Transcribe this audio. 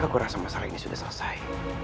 aku rasa masalah ini sudah selesai